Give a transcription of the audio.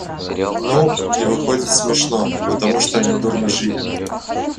Ну, и выходит смешно, потому что они дурно жили.